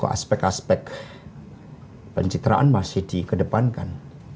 aspek aspek pencitraan masih dikedepankan